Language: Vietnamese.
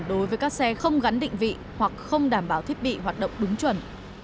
đối với các xe không gắn định vị hoặc không đảm bảo thiết bị hoạt động đúng chuẩn